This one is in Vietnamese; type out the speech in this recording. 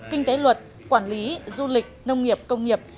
kinh tế luật quản lý du lịch nông nghiệp công nghiệp